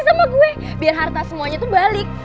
atau om alex lagi sama gue biar harta semuanya tuh balik